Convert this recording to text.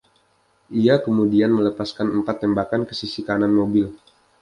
Ia kemudian melepaskan empat tembakan ke sisi kanan mobil.